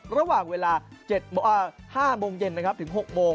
ระหว่างเวลา๕โมงเย็นถึง๖โมง